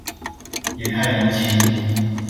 也太冷清了